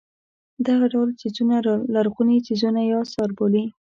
دغه ډول څیزونه لرغوني څیزونه یا اثار بولي.